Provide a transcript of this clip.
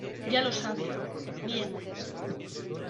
ya lo sabe. bien .